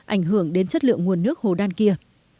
ảnh hưởng đến chất lượng nguồn nước hồ đan kia